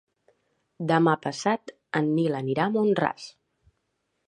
Demà passat en Nil anirà a Mont-ras.